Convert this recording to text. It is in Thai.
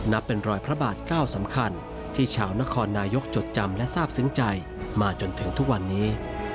นับเป็นรอยพระบาทเก้าสำคัญที่ชาวนครนายกจดจำและทราบซึ้งใจมาจนถึงทุกวันนี้